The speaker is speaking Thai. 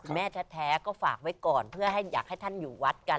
แม่แท้ก็ฝากไว้ก่อนเพื่อให้อยากให้ท่านอยู่วัดกัน